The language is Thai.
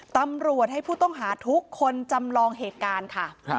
ตำรวจให้ผู้ต้องหาทุกคนจำลองเหตุการณ์ค่ะ